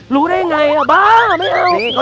รู้ได้ไงบ้าไม่เอา